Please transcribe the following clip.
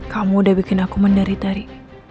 kamu udah bikin aku mendaritari